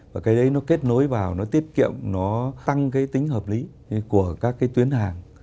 và cái đấy nó kết nối vào nó tiết kiệm nó tăng cái tính hợp lý của các cái tuyến hàng